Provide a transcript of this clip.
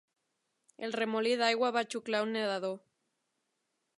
El remolí d'aigua va xuclar un nedador.